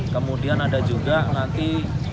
kemudian ada juga nanti